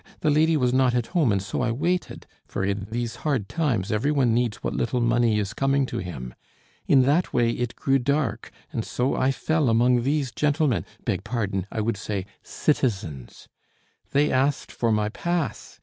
The lady was not at home, and so I waited; for in these hard times every one needs what little money is coming to him. In that way it grew dark, and so I fell among these gentlemen beg pardon, I would say citizens. They asked for my pass.